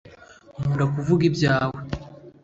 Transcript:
nkunda kuvuga ibyawe.